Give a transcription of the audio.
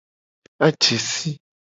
Aje si.